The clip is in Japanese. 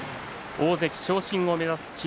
大関昇進を目指す霧